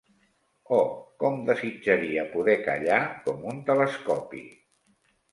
Oh, com desitjaria poder callar com un telescopi!